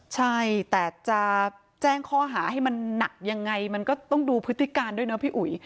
ใช่แต่จะแจ้งข้อหาให้มันหนักยังไงมันก็ต้องดูพฤติการด้วยนะพี่อุ๋ย